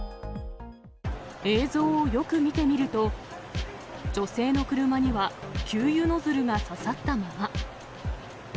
映像をよく見てみると、女性の車には、給油ノズルがささったまま。